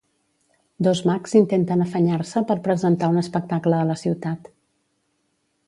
Dos mags intenten afanyar-se per presentar un espectacle a la ciutat.